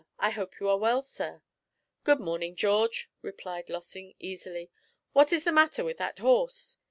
I hope you are well, sir.' 'Good morning, George,' replied Lossing easily. 'What is the matter with that horse?'